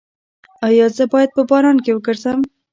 ایا زه باید په باران کې وګرځم؟